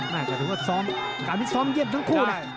จะถือว่าซ้อมการที่ซ้อมเยี่ยมทั้งคู่นะ